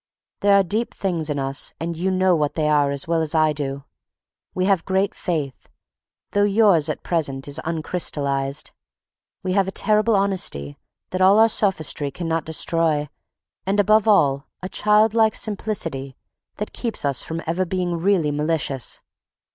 There are deep things in us and you know what they are as well as I do. We have great faith, though yours at present is uncrystallized; we have a terrible honesty that all our sophistry cannot destroy and, above all, a childlike simplicity that keeps us from ever being really malicious.